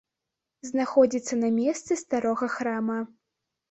Знаходзіцца на месцы старога храма.